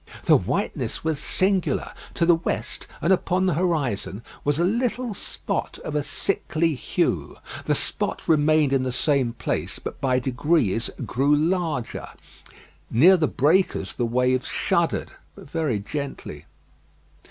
The whiteness was singular. To the west, and upon the horizon, was a little spot of a sickly hue. The spot remained in the same place, but by degrees grew larger. Near the breakers the waves shuddered; but very gently.